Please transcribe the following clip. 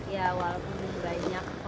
ya walaupun banyak